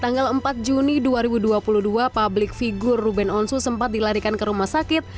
tanggal empat juni dua ribu dua puluh dua publik figur ruben onsu sempat dilarikan ke rumah sakit